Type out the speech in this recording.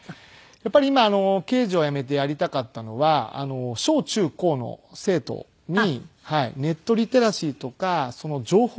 やっぱり今刑事を辞めてやりたかったのは小中高の生徒にネットリテラシーとか情報モラルですね。